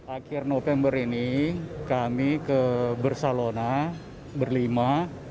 akhir november ini kami ke barcelona berlima